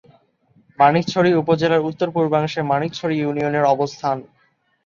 মানিকছড়ি উপজেলার উত্তর-পূর্বাংশে মানিকছড়ি ইউনিয়নের অবস্থান।